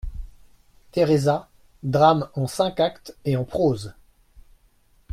=Teresa.= Drame en cinq actes et en prose.